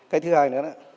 cái thứ hai nữa đó